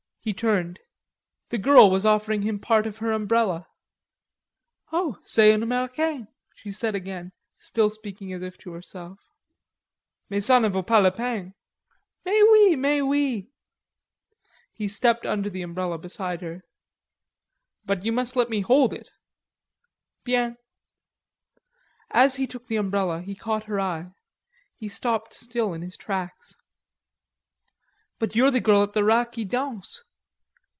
He turned. The girl was offering him part of her umbrella. "O c'est un Americain!" she said again, still speaking as if to herself. "Mais ca ne vaut pas la peine." "Mais oui, mais oui." He stepped under the umbrella beside her. "But you must let me hold it." "Bien." As he took the umbrella he caught her eye. He stopped still in his tracks. "But you're the girl at the Rat qui Danse."